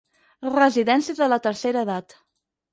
Residència de la tercera edat.